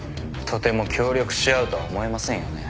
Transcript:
とても協力し合うとは思えませんよね